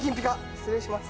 失礼します。